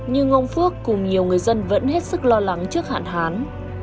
nhưng ông phước cùng nhiều người dân vẫn hết sức lo lắng trước hạn hán